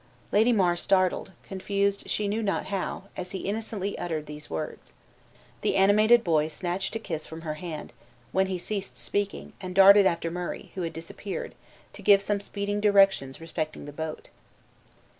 Lady Mar started, confused she knew not how, as he innocently uttered these words. The animated boy snatched a kiss from her hand, when he ceased speaking, and darted after Murray, who had disappeared, to give some speeding directions respecting the boat.